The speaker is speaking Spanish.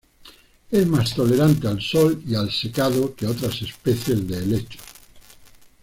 Es más tolerante al sol y al secado que otras especies de helechos..